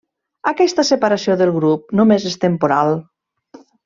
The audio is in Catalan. Aquesta separació del grup només és temporal.